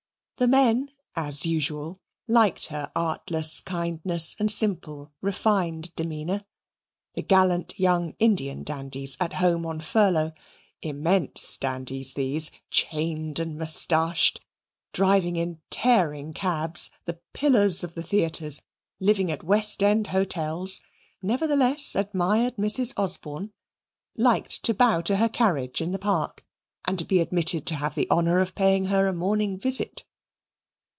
The men, as usual, liked her artless kindness and simple refined demeanour. The gallant young Indian dandies at home on furlough immense dandies these chained and moustached driving in tearing cabs, the pillars of the theatres, living at West End hotels nevertheless admired Mrs. Osborne, liked to bow to her carriage in the park, and to be admitted to have the honour of paying her a morning visit.